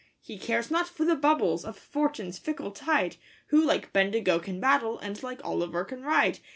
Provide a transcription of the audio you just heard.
He cares not for the bubbles of Fortune's fickle tide, Who like Bendigo can battle, and like Olliver can ride.